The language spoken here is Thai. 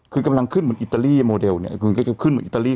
คือกำลังขึ้นเหมือนอิตาลีโมเดลเนี่ยคุณก็จะขึ้นเหมือนอิตาลี